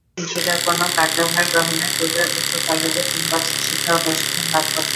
মুনশিরা কোনো কার্যভার গ্রহণের পূর্বে উক্ত কলেজে তিন বছরের শিক্ষা ও প্রশিক্ষণ লাভ করত।